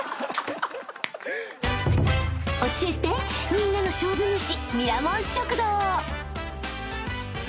［教えてみんなの勝負めし］